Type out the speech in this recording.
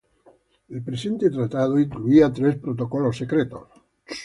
El presente tratado incluía tres protocolos secretos.